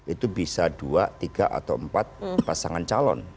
itu bisa dua tiga atau empat pasangan calon